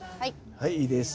はいいいです。